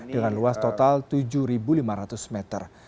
dengan luas total tujuh lima ratus meter